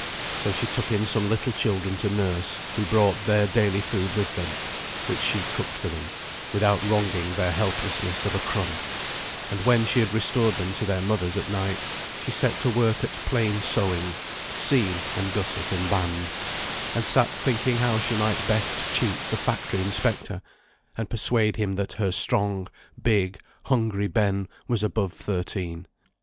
So she took in some little children to nurse, who brought their daily food with them, which she cooked for them, without wronging their helplessness of a crumb; and when she had restored them to their mothers at night, she set to work at plain sewing, "seam, and gusset, and band," and sat thinking how she might best cheat the factory inspector, and persuade him that her strong, big, hungry Ben was above thirteen.